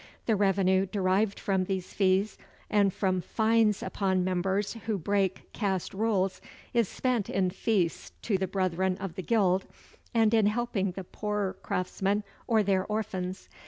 The revenue derived from these fees, and from fines upon members who break caste rules, is spent in feasts to the brethren of the guild, and in helping the poorer craftsmen or their orphans.